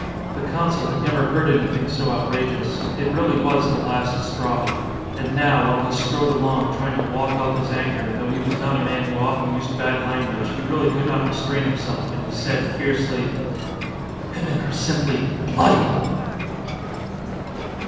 The consul had never heard anything so out rageous. It really was the last straw. And now while he strode along, trying to walk off his anger, though he was not a man who often used bad language he really could not restrain himself, and he said fiercely: "Women are simply bloody."